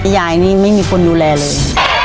ยายนี่ไม่มีคนดูแลเลย